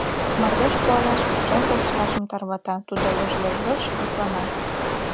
Мардеж пуалеш, пушеҥге лышташым тарвата, тудо лыж-лыж-лыж йӱклана.